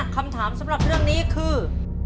คำถามสำหรับเรื่องนี้คือ